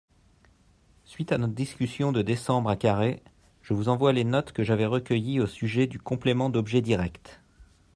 suite à notre discussion de décembre à Carhaix, je vous envoi les notes que j'avais recueillies au sujet du complément d'objet direct.